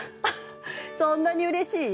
そんなにうれしい？